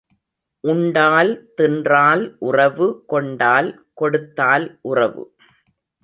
உண்டால் தின்றால் உறவு கொண்டால் கொடுத்தால் உறவு.